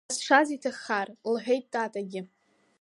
Ҳазшаз иҭаххар, – лҳәеит Татагьы.